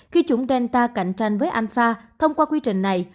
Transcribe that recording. khi chủng delta cạnh tranh với alpha thông qua quy trình này